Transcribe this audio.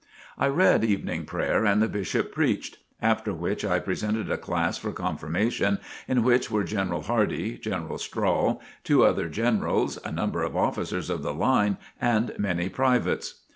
I read Evening Prayer and the Bishop preached; after which I presented a class for confirmation in which were General Hardee, General Strahl, two other Generals, a number of officers of the line and many privates.